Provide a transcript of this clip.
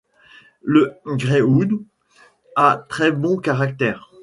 Le Greyhound a très bon caractère.